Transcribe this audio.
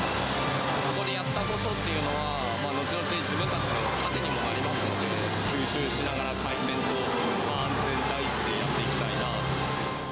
ここでやったことっていうのは、後々、自分たちの糧にもなりますので、吸収しながら改善と、安全第一でやっていきたいなと。